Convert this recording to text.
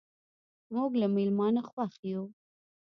موږ له میلمانه خوښ یو.